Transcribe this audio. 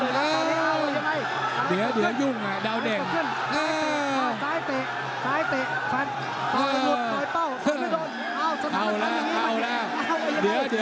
เกิดอะไรขึ้นยุ่งแล้วดิยุ่งแล้วดิ